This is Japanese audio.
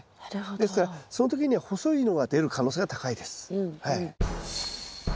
ですからその時には細いのが出る可能性が高いです。